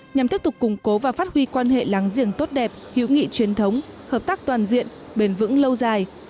nhằm tiếp tục củng cố và phát huy quan hệ láng giềng tốt đẹp hiếu nghị truyền thống hợp tác toàn diện bền vững lâu dài